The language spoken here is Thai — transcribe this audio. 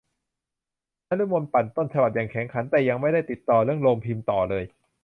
นฤมลปั่นต้นฉบับอย่างแข็งขัน แต่ยังไม่ได้ติดต่อเรื่องโรงพิมพ์ต่อเลย